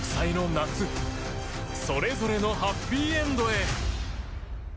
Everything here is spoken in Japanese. １６歳の夏それぞれのハッピーエンドへ。